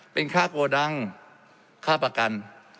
เป็นค่าโกดังค่าประกัน